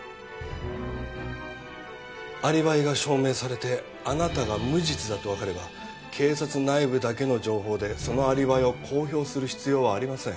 アリバイが証明されてあなたが無実だとわかれば警察内部だけの情報でそのアリバイを公表する必要はありません。